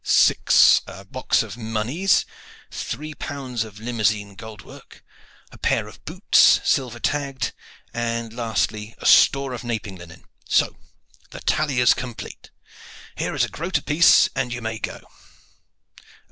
Six a box of monies, three pounds of Limousine gold work, a pair of boots, silver tagged, and, lastly, a store of naping linen. So, the tally is complete! Here is a groat apiece, and you may go."